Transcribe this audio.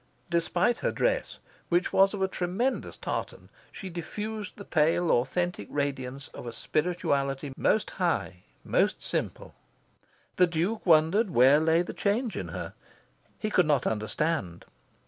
Despite her dress, which was of a tremendous tartan, she diffused the pale authentic radiance of a spirituality most high, most simple. The Duke wondered where lay the change in her. He could not understand.